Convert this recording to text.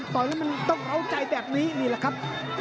ต่อยแล้วมันต้องเอาใจแบบนี้นี่แหละครับ